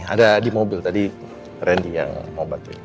ada di mobil tadi randy yang mau bantuin